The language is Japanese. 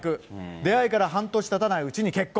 出会いから半年たたないうちに結婚。